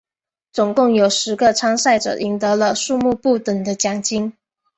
总共有十个参赛者赢得了数目不等的奖金。